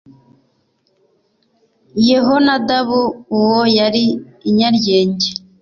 yehonadabu uwo yari inyaryenge